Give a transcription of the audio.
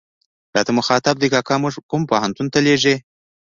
راته مخاطب دي، کاکا موږ کوم پوهنتون ته لېږې.